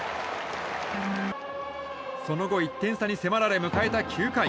その後、１点差に迫られ迎えた９回。